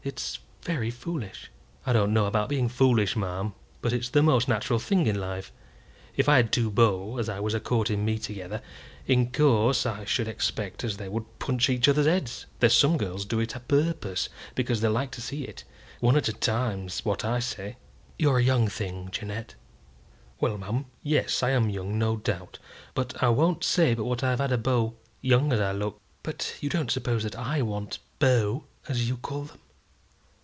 It's very foolish." "I don't know about being foolish, ma'am; but it's the most natural thing in life. If I had two beaux as was a courting me together, in course I should expect as they would punch each other's heads. There's some girls do it a purpose, because they like to see it. One at a time's what I say." "You're a young thing, Jeannette." "Well, ma'am yes; I am young, no doubt. But I won't say but what I've had a beau, young as I look." "But you don't suppose that I want beaux, as you call them?"